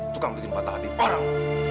tukang bikin patah hati orang